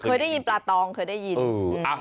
เคยได้ยินปลาตองเคยได้ยิน